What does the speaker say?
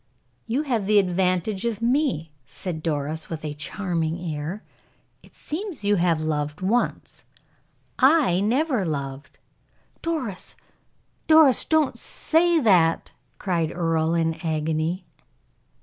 "You have the advantage of me," said Doris, with a charming air. "It seems you have loved once; I never loved." "Doris! Doris! Don't say that!" cried Earle, in agony.